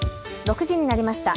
６時になりました。